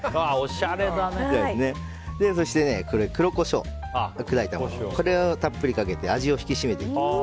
黒コショウを砕いたものをたっぷりかけて味を引き締めていきます。